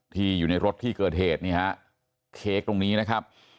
อยู่ในรถที่เกิดเหตุนี่ฮะเค้กตรงนี้นะครับ